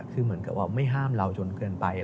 คือเหมือนกับว่าไม่ห้ามเราจนเกินไป